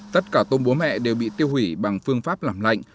tất cả tôm bố mẹ đều bị tiêu hủy bằng phương pháp làm lạnh